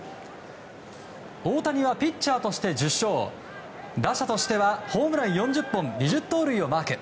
大谷はピッチャーとして１０勝打者としてはホームラン４０本２０盗塁をマーク。